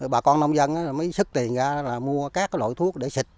bà con nông dân mới xức tiền ra là mua các loại thuốc để xịt